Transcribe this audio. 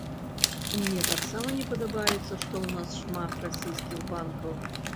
Мне таксама не падабаецца, што ў нас шмат расійскіх банкаў.